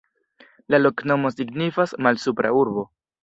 La loknomo signifas: Malsupra Urbo.